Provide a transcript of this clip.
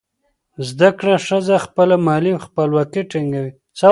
زده کړه ښځه خپله مالي خپلواکي ټینګوي.